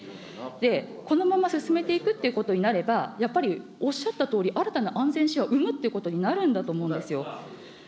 で、このまま進めていくっていうことになれば、やっぱりおっしゃったとおり新たな安全神話、生むっていうことになるんだと思うんですよ。